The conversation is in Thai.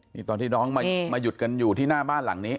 นี่ตอนที่น้องมาหยุดกันอยู่ที่หน้าบ้านหลังนี้